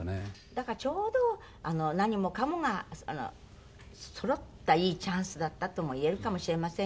だからちょうど何もかもがそろったいいチャンスだったとも言えるかもしれませんよね。